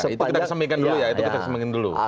itu kita kesembilan dulu ya